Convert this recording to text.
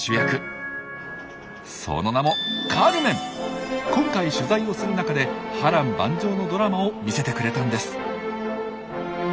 その名も今回取材をするなかで波乱万丈のドラマを見せてくれたんです！